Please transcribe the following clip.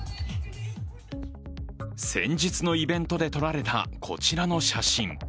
先日のイベントで撮られたこちらの写真。